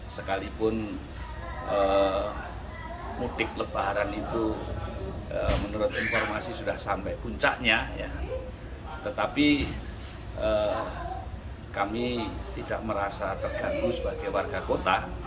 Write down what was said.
sekalipun mudik lebaran itu menurut informasi sudah sampai puncaknya tetapi kami tidak merasa terganggu sebagai warga kota